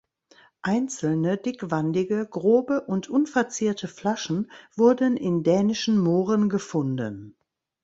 Einzelne dickwandige, grobe und unverzierte Flaschen wurden in dänischen Mooren gefunden.